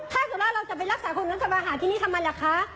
ถ้าเกิดว่าเราจะไปรักษาคนอื่นสิเราจะไปหาที่นี่ทำไมล่ะคะ